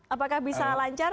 apakah bisa lancar